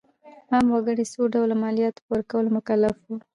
عام وګړي د څو ډوله مالیاتو په ورکولو مکلف وو.